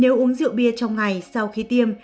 nếu uống rượu bia trong ngày sau khi tiêm